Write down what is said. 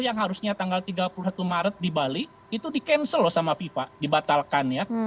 yang harusnya tanggal tiga puluh satu maret di bali itu di cancel loh sama fifa dibatalkan ya